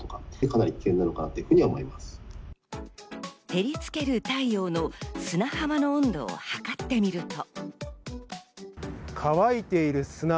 照りつける太陽の砂浜の温度を測ってみると。